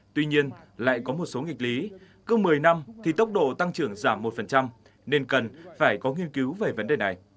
tuy nhiên lại có một số nghịch lý cứ một mươi năm thì tốc độ tăng trưởng giảm một nên cần phải có nghiên cứu về vấn đề này